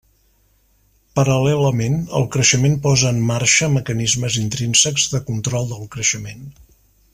Paral·lelament, el creixement posa en marxa mecanismes intrínsecs de control del creixement.